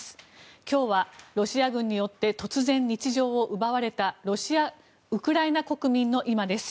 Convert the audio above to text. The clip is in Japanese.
今日はロシア軍によって突然日常を奪われたウクライナ国民の今です。